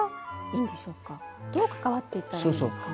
どう関わっていったらいいですかね。